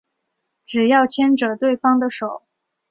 只要牵着对方的手